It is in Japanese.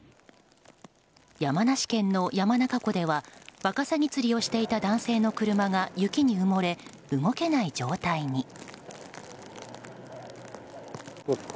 山梨県の山中湖ではワカサギ釣りをしていた男性の車が雪に埋もれ、動けない状態に。